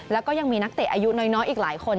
แล้วก็ยังมีนักเตะอายุน้อยอีกหลายคน